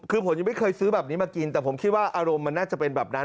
คือผมยังไม่เคยซื้อแบบนี้มากินแต่ผมคิดว่าอารมณ์มันน่าจะเป็นแบบนั้น